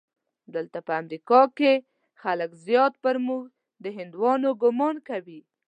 دلته په امریکا کې زیات خلک پر موږ د هندیانو ګومان کوي.